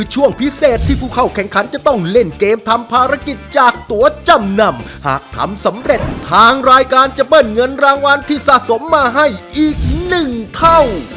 จากตัวจำนำหากทำสำเร็จทางรายการจะเบิ้ลเงินรางวัลที่สะสมมาให้อีกหนึ่งเท่า